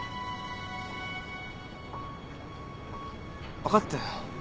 分かったよ。